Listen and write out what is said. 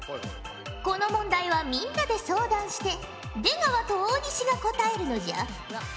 この問題はみんなで相談して出川と大西が答えるのじゃ。